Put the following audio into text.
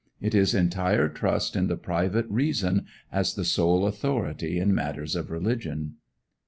It is entire trust in the private reason as the sole authority in matters of religion.